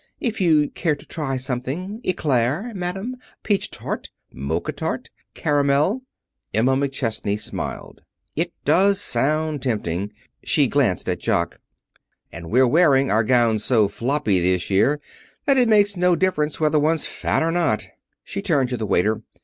If you'd care to try something? Eclair, madam peach tart mocha tart caramel " Emma McChesney smiled. "It does sound tempting." She glanced at Jock. "And we're wearing our gowns so floppy this year that it makes no difference whether one's fat or not." She turned to the waiter.